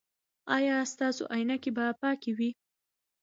ایا ستاسو عینکې به پاکې وي؟